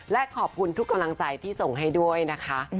และขอบคุณทุกกำลังใจที่ส่งให้ด้วยนะคะ